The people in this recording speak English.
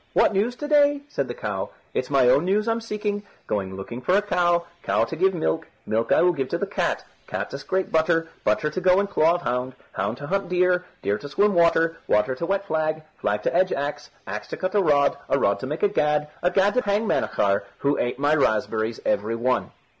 "What news to day?" said the cow. "It's my own news I'm seeking. Going looking for a cow, cow to give me milk, milk I will give to the cat, cat to scrape butter, butter to go in claw of hound, hound to hunt deer, deer to swim water, water to wet flag, flag to edge axe, axe to cut a rod, a rod to make a gad, a gad to hang Manachar, who ate my raspberries every one."